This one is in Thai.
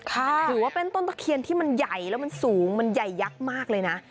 ถือว่าเป็นต้นตะเคียนที่มันใหญ่แล้วมันสูงมันใหญ่ยักษ์มากเลยนะ